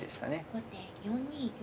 後手４二玉。